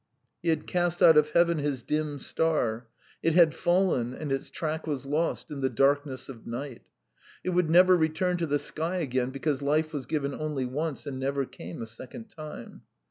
..." He had cast out of heaven his dim star; it had fallen, and its track was lost in the darkness of night. It would never return to the sky again, because life was given only once and never came a second time.